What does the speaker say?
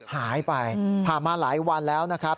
หายไปผ่านมาหลายวันแล้วนะครับ